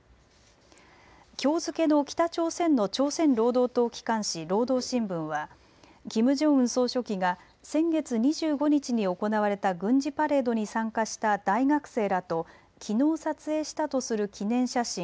きょう付けの北朝鮮の朝鮮労働党機関紙、労働新聞はキム・ジョンウン総書記が先月２５日に行われた軍事パレードに参加した大学生らときのう撮影したとする記念写真